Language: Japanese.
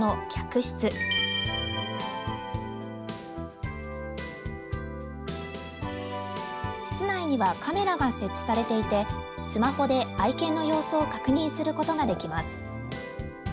室内にはカメラが設置されていて、スマホで愛犬の様子を確認することができます。